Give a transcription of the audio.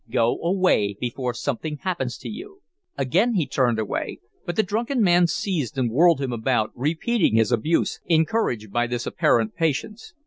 Go away before something happens to you." Again he turned away, but the drunken man seized and whirled him about, repeating his abuse, encouraged by this apparent patience.